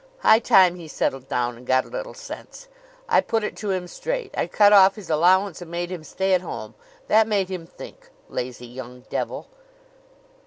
High time he settled down and got a little sense. I put it to him straight. I cut off his allowance and made him stay at home. That made him think lazy young devil!"